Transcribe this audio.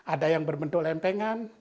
ada yang berbentuk lempengan